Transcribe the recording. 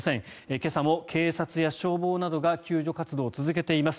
今朝も警察や消防などが救助活動を続けています。